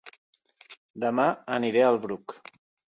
Dema aniré a El Bruc